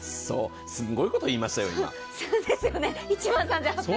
すんごいこと言いましたよ、今。